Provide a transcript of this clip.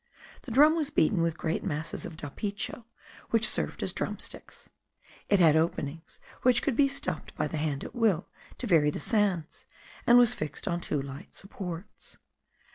This drum was beaten with great masses of dapicho, which served as drumsticks; it had openings which could be stopped by the hand at will, to vary the sounds, and was fixed on two light supports.